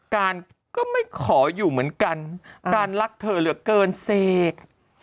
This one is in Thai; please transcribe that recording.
การก็ไม่ขออยู่เหมือนกันการรักเธอเหลือเกินเสก